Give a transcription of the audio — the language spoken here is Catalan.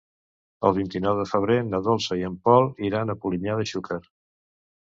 El vint-i-nou de febrer na Dolça i en Pol iran a Polinyà de Xúquer.